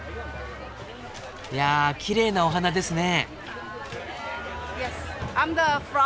いやあきれいなお花ですね。